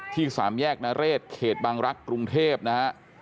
สามแยกนเรศเขตบางรักษ์กรุงเทพนะฮะ